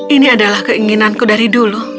ini adalah keinginanku dari dulu